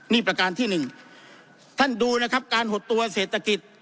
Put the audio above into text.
นี่ประการที่หนึ่งท่านดูนะครับการหดตัวเศรษฐกิจ